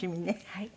はい。